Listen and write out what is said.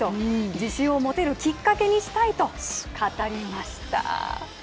自信を持てるきっかけにしたいと語りました。